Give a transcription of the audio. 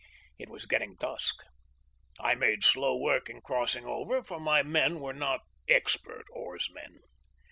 It was getting dusk. I made slow work in crossing over, for my men were not expert oarsmen.